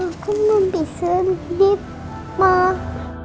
aku mampu sedih mak